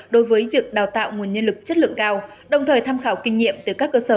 đối với việc đào tạo nguồn nhân lực chất lượng cao đồng thời tham khảo kinh nghiệm từ các cơ sở